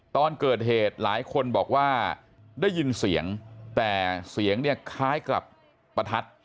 ตอนเกิดเหตุหลายคนบอกว่าได้ยินเสียงแต่เสียงเนี่ยคล้ายกับประทัด